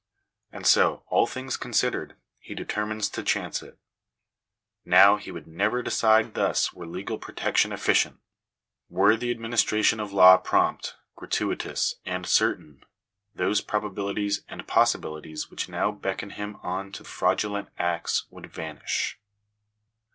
And so, all things considered, he de termines to chance it. Now, he would never decide thus were legal protection efficient. Were the administration of law prompt, gratuitous, and certain, those probabilities and possi bilities which now beckon him on to fraudulent acts would vanish.